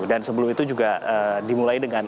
dan sebelum itu juga dimulai dengan